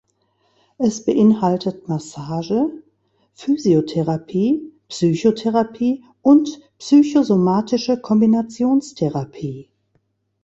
Es beinhaltet Massage, Physiotherapie, Psychotherapie und Psychosomatische Kombinationstherapie.